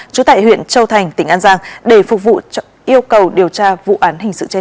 trú tại huyện châu thành tỉnh an giang để phục vụ yêu cầu điều tra vụ án hình sự trên